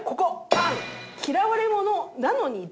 バン！